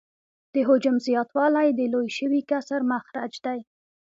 د حجم زیاتوالی د لوی شوي کسر مخرج دی